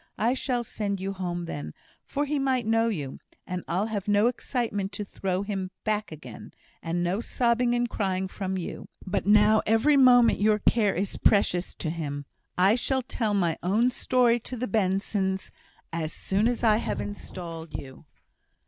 I shall send you home then; for he might know you, and I'll have no excitement to throw him back again, and no sobbing and crying from you. But now every moment your care is precious to him. I shall tell my own story to the Bensons, as soon as I have installed you."